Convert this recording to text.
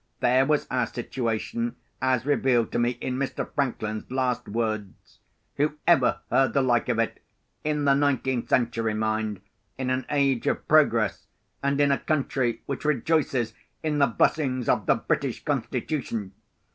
There was our situation as revealed to me in Mr. Franklin's last words! Who ever heard the like of it—in the nineteenth century, mind; in an age of progress, and in a country which rejoices in the blessings of the British constitution?